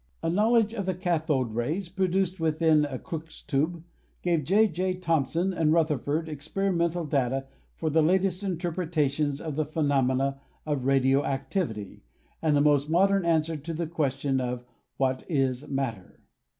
A knowledge of the cathode rays produced within a Crookes tube gave J. J. Thomson and Rutherford experi mental data for the latest interpretations of the phenomena of radio activity and the most modern answer to the ques tion of "What is matter?"